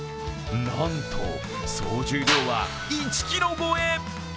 なんと総重量は１ｋｇ超え。